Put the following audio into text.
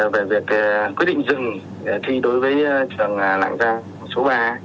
về việc quyết định dừng thi đối với trường lạng giang số ba